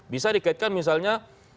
bisa dikaitkan misalnya